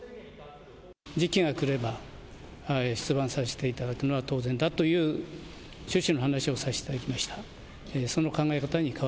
時期が来れば出馬させていただくのは、当然だという趣旨の話をさせていただきました。